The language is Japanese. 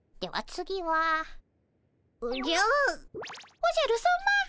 おじゃるさま？